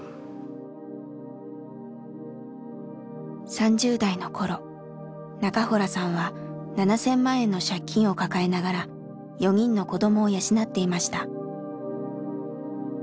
３０代の頃中洞さんは７，０００万円の借金を抱えながら４人の子どもを養っていました。